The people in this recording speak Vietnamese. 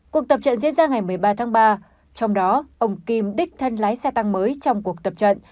cuộc tập trận diễn ra ngày một mươi ba tháng ba trong đó ông kim đích thân lái xe tăng mới trong cuộc tập trận